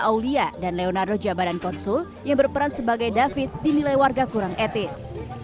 aulia dan leonardo jabadan konsul yang berperan sebagai david dinilai warga kurang etis